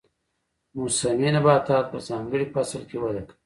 موسمي نباتات په ځانګړي فصل کې وده کوي